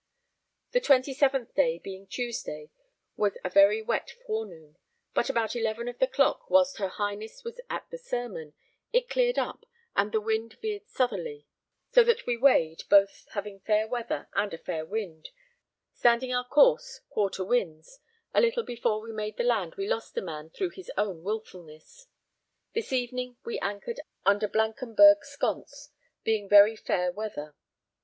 The 27th day, being Tuesday, was a very wet forenoon, but about 11 of the clock whilst her Highness was at the sermon, it cleared up and the wind veered southerly, so that we weighed, both having fair weather and a fair wind; standing our course, quarter winds, a little before we made the land we lost a man through his own wilfulness. This evening we anchored under Blankenberghe Sconce, being very fair weather.